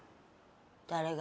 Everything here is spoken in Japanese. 誰が？